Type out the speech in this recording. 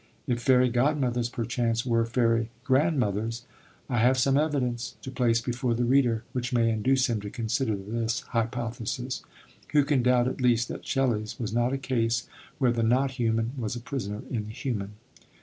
If Fairy Godmothers, perchance, were Fairy Grandmothers! I have some evidence to place before the reader which may induce him to consider this hypothesis. Who can doubt, at least, that Shelley's was not a case where the not human was a prisoner in the human?